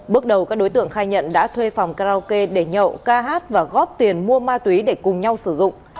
bước đầu các đối tượng khai nhận đã thuê phòng karaoke để nhậu ca hát và góp tiền mua ma túy để cùng nhau sử dụng